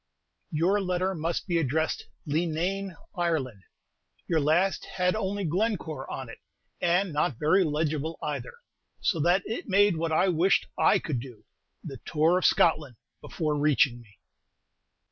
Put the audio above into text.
Your letter must be addressed "Leenane, Ireland." Your last had only "Glencore" on it, and not very legible either, so that it made what I wished I could do, "the tour of Scotland," before reaching me.